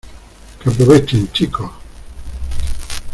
que aprovechen, chicos.